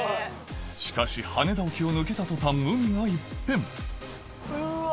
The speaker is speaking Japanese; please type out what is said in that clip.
しかし羽田沖を抜けた途端海が一変うわ！